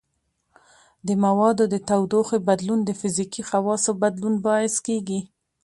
د موادو د تودوخې بدلون د فزیکي خواصو بدلون باعث کیږي.